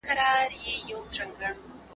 احمد شاه ابدالي څنګه د نړیوالو اصولو درناوی کاوه؟